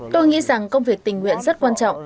tôi nghĩ rằng công việc tình nguyện rất quan trọng